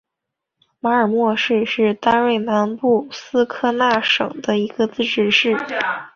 马尔默市是瑞典南部斯科讷省的一个自治市。